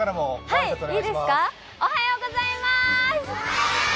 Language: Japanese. おはようございます！